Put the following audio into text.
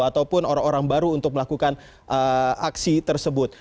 ataupun orang orang baru untuk melakukan aksi tersebut